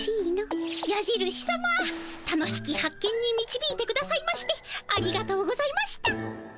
やじるしさま楽しき発見にみちびいてくださいましてありがとうございました。